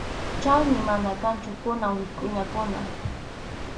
Chaymi mana kanchu kunan wikʼuñakuna.